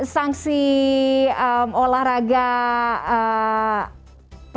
sanksi olahraga itu itu apa